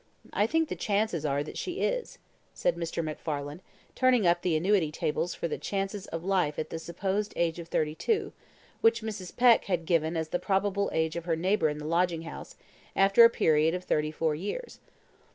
I think the chances are that she is," said Mr. MacFarlane, turning up the annuity tables for the chances of life at the supposed age of thirty two, which Mrs. Peck had given as the probable age of her neighbour in the lodging house, after a period of thirty four years.